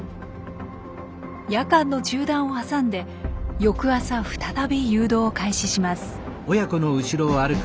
夜間の中断を挟んで翌朝再び誘導を開始します。